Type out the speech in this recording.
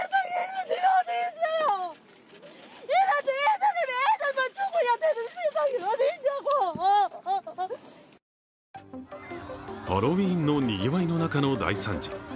ハロウィーンのにぎわいの中の大惨事。